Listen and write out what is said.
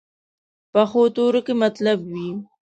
پخو تورو کې مطلب وي